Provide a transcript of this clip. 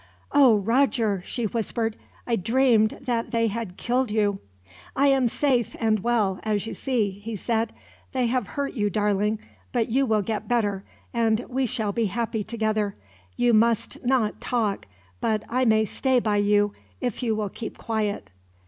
"O Roger!" she whispered; "I dreamed that they had killed you." "I am safe and well, as you see," he said. "They have hurt you, darling; but you will get better, and we shall be happy together. You must not talk, but I may stay by you, if you will keep quiet.